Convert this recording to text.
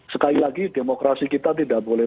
sekali lagi demokrasi kita tidak boleh